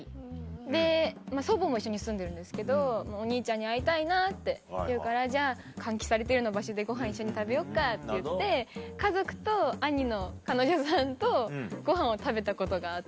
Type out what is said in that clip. で祖母も一緒に住んでるんですけど「お兄ちゃんに会いたいな」って言うから「じゃあ換気されてるような場所でごはん一緒に食べようか」って言って家族と兄の彼女さんとごはんを食べたことがあって。